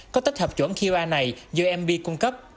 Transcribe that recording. có tích hợp chuẩn qr này do mb cung cấp